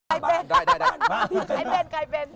ไอ้เบนใครเป็น